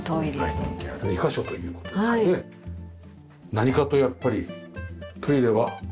何かとやっぱりトイレは２カ所。